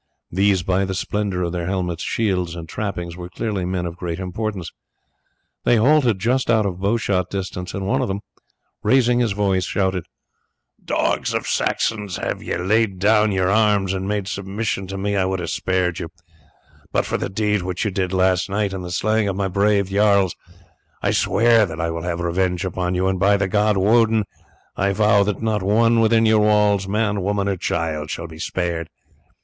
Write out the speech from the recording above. These by the splendour of their helmets, shields, and trappings were clearly men of great importance. They halted just out of bowshot distance, and one of them, raising his voice, shouted: "Dogs of Saxons, had you laid down your arms, and made submission to me, I would have spared you; but for the deed which you did last night, and the slaying of my brave jarls, I swear that I will have revenge upon you, and, by the god Wodin, I vow that not one within your walls, man, woman, or child, shall be spared.